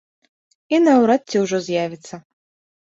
І наўрад ці ўжо з'явіцца.